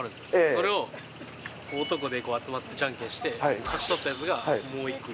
それを男で集まってじゃんけんして、勝ち取ったやつがもう１個。